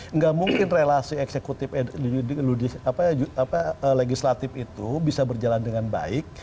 nggak mungkin relasi eksekutif legislatif itu bisa berjalan dengan baik